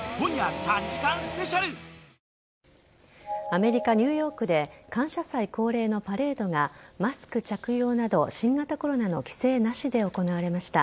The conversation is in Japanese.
アメリカ・ニューヨークで感謝祭恒例のパレードがマスク着用など新型コロナの規制なしで行われました。